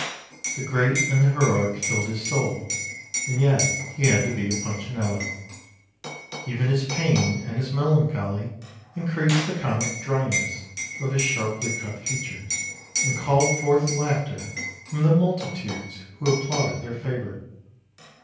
The great and the heroic filled his soul, and yet he had to be a Punchinello. Even his pain and his melancholy increased the comic dryness of his sharply cut features, and called forth laughter from the multitudes who applauded their favourite.